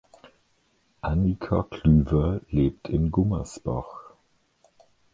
Anika Klüver lebt in Gummersbach.